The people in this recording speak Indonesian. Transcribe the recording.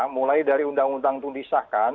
mulai dari undang undang tundisahkan